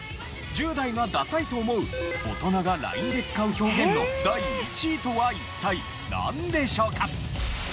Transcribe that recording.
１０代がダサいと思う大人がＬＩＮＥで使う表現の第１位とは一体なんでしょうか？